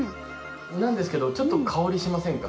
なんですけどちょっと香りしませんか？